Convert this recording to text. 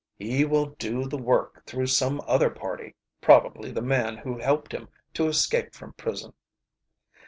"He will do the work through some other party probably the man who helped him to escape from prison."